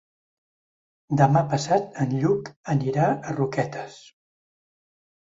Demà passat en Lluc anirà a Roquetes.